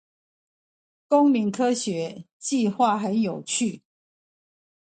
公民科學計畫很有趣